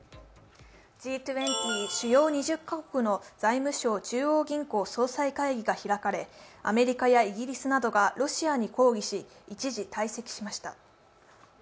Ｇ２０＝主要２０か国の財務相・中央銀行総裁会議が開かれアメリカやイギリスなどがロシアに抗議し一時退席しました。